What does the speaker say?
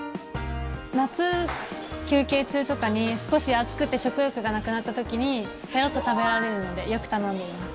夏、休憩中とかに少し暑くて食欲がなくなった時にペロッと食べられるのでよく頼んでいます。